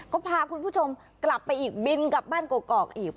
ก็พาคุณผู้ชมกลับไปอีกบินกลับบ้านกอกอีก